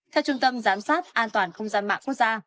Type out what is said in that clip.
theo trung tâm giám sát an toàn không gian mạng quốc gia